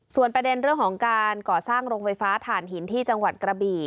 ส่วนประเด็นเรื่องของการก่อสร้างโรงไฟฟ้าถ่านหินที่จังหวัดกระบี่